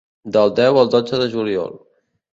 Del deu al dotze de juliol.